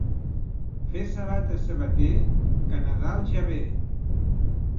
Fes sabates, sabater, que Nadal ja ve.